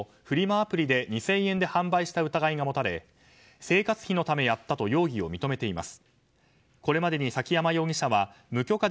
アプリで２０００円で販売した疑いが持たれ生活費のためやったと容疑を認めています。